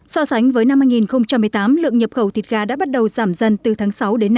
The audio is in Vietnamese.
so sánh với năm hai nghìn một mươi tám lượng nhập khẩu thịt gà đã bắt đầu giảm dần từ tháng sáu